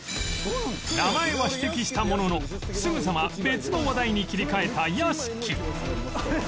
名前は指摘したもののすぐさま別の話題に切り替えた屋敷